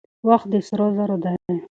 وخت د سرو زرو دی.